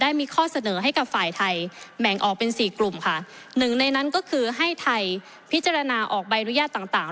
มีข้อเสนอให้กับฝ่ายไทยแบ่งออกเป็นสี่กลุ่มค่ะหนึ่งในนั้นก็คือให้ไทยพิจารณาออกใบอนุญาตต่างต่าง